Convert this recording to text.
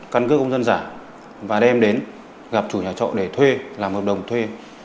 căn cơ công dân giả và đem đến gặp chủ nhà trọ để thuê làm hợp đồng thuê